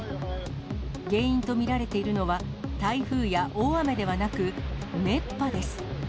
原因と見られているのは、台風や大雨ではなく、熱波です。